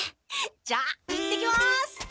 じゃあ行ってきます！